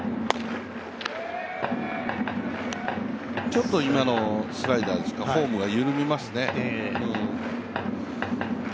ちょっと今のスライダー、フォームが緩みますね。